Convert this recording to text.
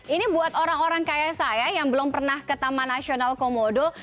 ini buat orang orang kaya saya yang belum pernah ke taman nasional komodo